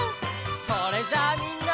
それじゃあみんな！